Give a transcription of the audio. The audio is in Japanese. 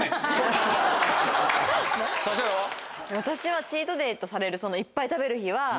私はチートデイとされるそのいっぱい食べる日は。